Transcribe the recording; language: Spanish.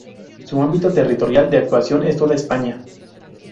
Su ámbito territorial de actuación es toda España.